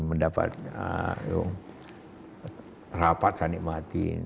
mendapat rapat saya nikmati